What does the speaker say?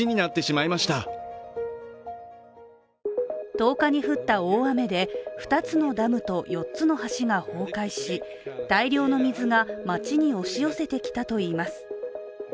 １０日に降った大雨で２つのダムと４つの橋が崩壊し大量の水が街に押し寄せてきたといいます。